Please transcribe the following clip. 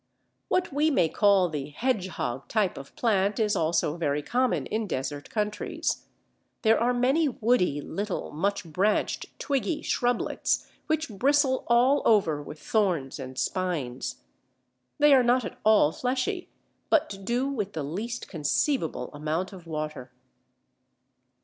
What we may call the "hedgehog" type of plant is also very common in desert countries. There are many woody little, much branched, twiggy shrublets, which bristle all over with thorns and spines. They are not at all fleshy, but do with the least conceivable amount of water.